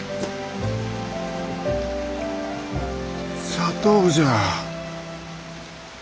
砂糖じゃ。